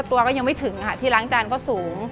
ตัวก็ยังไม่ถึงค่ะที่ล้างจานก็สูง